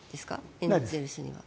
エンゼルスには。